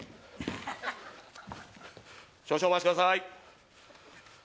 少々お待ちください